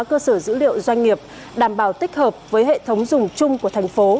cơ sở dữ liệu doanh nghiệp đảm bảo tích hợp với hệ thống dùng chung của tp